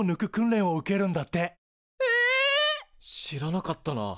知らなかったな。